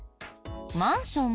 マンション？